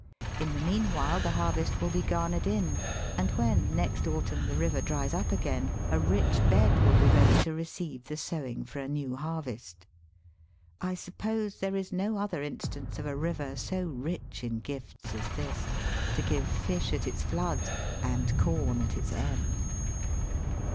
In the meanwhile the harvest wiU be garnered in, and when next autumn the river dries up again, a rich bed will be ready to receive the sowing for a new harvest. I suppose there is no other Digitized by VjOOQIC 286 EAST BY WEST. instance of a river so rich in gifts as this — to give fish at its flood and corn at its ebb.